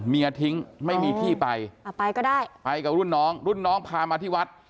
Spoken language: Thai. เมียทิ้งไม่มีที่ไปไปก็ได้ไปกับรุ่นน้องรุ่นน้องพามาที่วัด